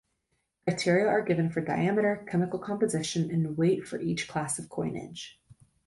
Criteria are given for diameter, chemical composition and weight for each class of coinage.